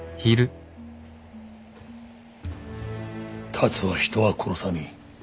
辰は人は殺さねえ。